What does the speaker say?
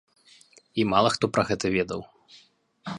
І мала хто пра гэта ведаў.